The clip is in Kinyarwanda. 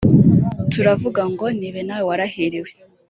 “turavuga ngo nibe nawe warahiriwe”